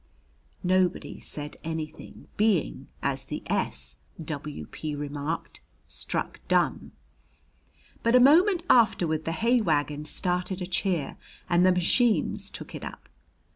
Nobody said anything, being, as the S. W.P. remarked, struck dumb. But a moment afterward the hay wagon started a cheer and the machines took it up.